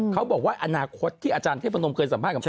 เขาบอกว่าอนาคตที่อาจารย์เทพนมเคยสัมภาษณ์